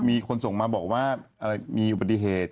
มีคนส่งมาบอกว่าอะไรมีอุบัติเหตุ